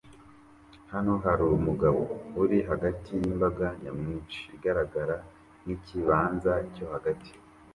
Hano harumugabo uri hagati yimbaga nyamwinshi igaragara nkikibanza cyo hagati